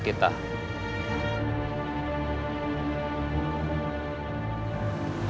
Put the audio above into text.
di pihak kita